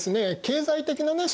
経済的なね